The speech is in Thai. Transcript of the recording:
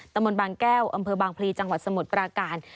มนต์บางแก้วอำเภอบางพลีจังหวัดสมุทรปราการ